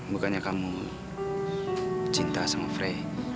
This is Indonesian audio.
bukannya kamu cinta sama free